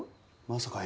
まさか。